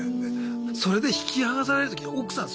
それで引き離される時奥さん